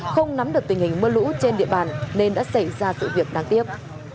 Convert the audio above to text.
không nắm được tình hình mưa lũ trên địa bàn nên đã xảy ra sự việc đáng tiếc